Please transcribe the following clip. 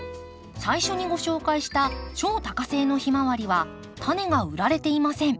最初にご紹介した超多花性のヒマワリはタネが売られていません。